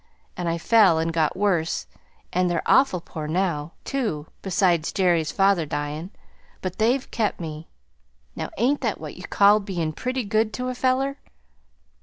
And I fell and got worse, and they're awful poor now, too, besides Jerry's father dyin'. But they've kept me. Now ain't that what you call bein' pretty good to a feller?"